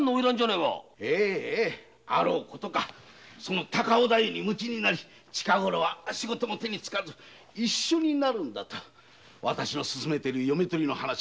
ええあろう事か高尾太夫に夢中になり仕事も手につかず「一緒になるんだ」と私の勧める嫁取りの話にも。